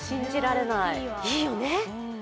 いいよね。